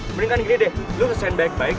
mending kan gini deh lo ngesen baik baik